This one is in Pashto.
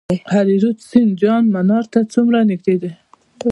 هریرود سیند جام منار ته څومره نږدې دی؟